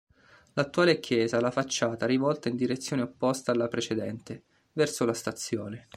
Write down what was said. L'attuale chiesa ha la facciata rivolta in direzione opposta alla precedente, verso la stazione.